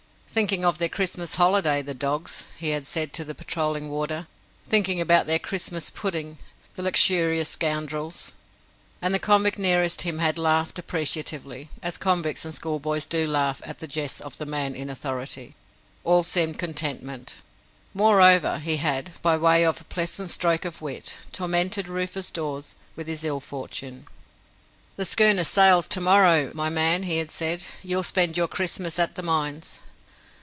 "Thinking of their Christmas holiday, the dogs!" he had said to the patrolling warder. "Thinking about their Christmas pudding, the luxurious scoundrels!" and the convict nearest him had laughed appreciatively, as convicts and schoolboys do laugh at the jests of the man in authority. All seemed contentment. Moreover, he had by way of a pleasant stroke of wit tormented Rufus Dawes with his ill fortune. "The schooner sails to morrow, my man," he had said; "you'll spend your Christmas at the mines."